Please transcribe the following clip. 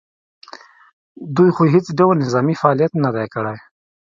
دوی خو هېڅ ډول نظامي فعالیت نه دی کړی